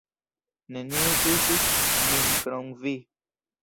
Neniu tuŝis min krom vi!